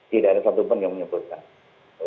tidak ada satu pun yang menyebutkan